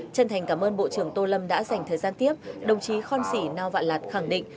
chân thành cảm ơn bộ trưởng tô lâm đã dành thời gian tiếp đồng chí khon sĩ nao vạn lạt khẳng định